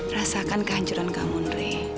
rasakan kehancuran kamu nri